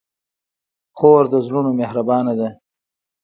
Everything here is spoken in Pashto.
خور د زړونو مهربانه ده.